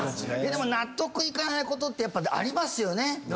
でも納得いかないことってやっぱありますよね。